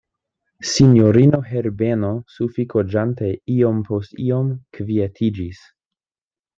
Sinjorino Herbeno sufokiĝante iom post iom kvietiĝis.